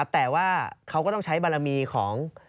แต่ว่าเขาก็ต้องใช้บารมีของ